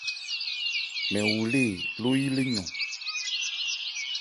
Mɛn wu lê ló-yí lê yɔn.